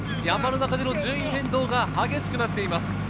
山の中での順位変動が激しくなっています。